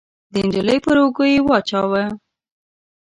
د نجلۍ پر اوږو يې واچاوه.